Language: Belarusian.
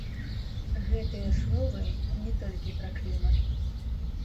Гэтыя словы не толькі пра клімат.